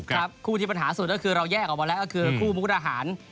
คู่ที่ปัญหาสุดเราก็แยกออกมากว่าคู่พุทธหารดารหาร